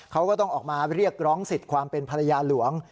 เขาก็ต้องออกมาเรียกร้องสิทธิ์ความเป็นภรรยาหลวง